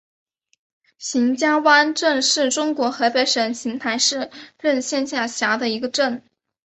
邢家湾镇是中国河北省邢台市任县下辖的一个镇。